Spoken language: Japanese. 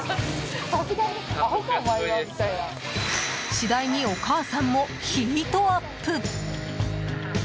次第にお母さんもヒートアップ。